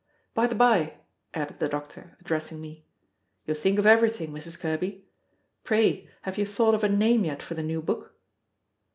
By the by," added the doctor, addressing me, "you think of everything, Mrs. Kerby; pray have you thought of a name yet for the new book?"